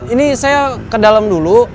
ini saya ke dalam dulu